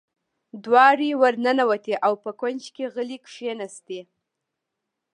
دواړې ور ننوتې او په کونج کې غلې کېناستې.